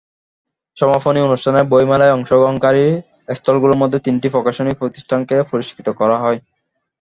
সমাপনী অনুষ্ঠানে বইমেলায় অংশগ্রহণকারী স্টলগুলোর মধ্যে তিনটি প্রকাশনী প্রতিষ্ঠানকে পুরস্কৃত করা হয়।